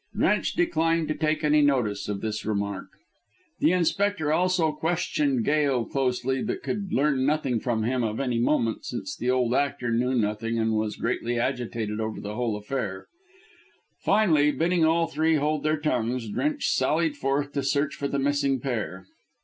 Drench declined to take any notice of this remark. The Inspector also questioned Gail closely, but could learn nothing from him of any moment, since the old actor knew nothing and was greatly agitated over the whole affair. Finally, bidding all three hold their tongues, Drench sallied forth to search for the missing pair.